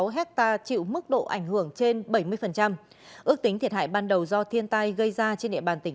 hai mươi sáu ha chịu mức độ ảnh hưởng trên bảy mươi ước tính thiệt hại ban đầu do thiên tai gây ra trên địa bàn